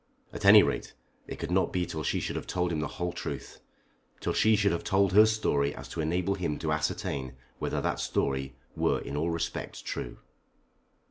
At any rate it could not be till she should have told him the whole truth, till she should have so told her story as to enable him to ascertain whether that story were in all respects true.